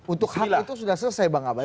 untuk hak itu sudah selesai bang abay